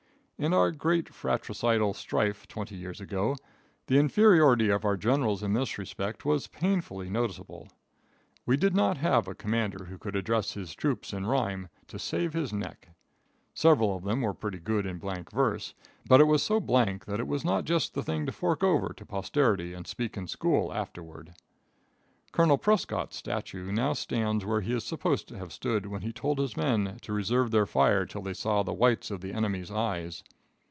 In our great fratricidal strife twenty years ago, the inferiority of our generals in this respect was painfully noticeable. We did not have a commander who could address his troops in rhyme to save his neck. Several of them were pretty good in blank verse, but it was so blank that it was not just the thing to fork over to posterity and speak in school afterward. Colonel Prescott's statue now stands where he is supposed to have stood when he told his men to reserve their fire till they saw the whites of the enemy's eyes.